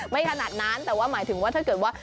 ขนาดนั้นแต่ว่าหมายถึงว่าถ้าเกิดว่า